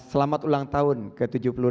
selamat ulang tahun ke tujuh puluh enam